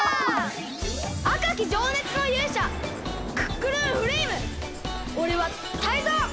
あかきじょうねつのゆうしゃクックルンフレイムおれはタイゾウ！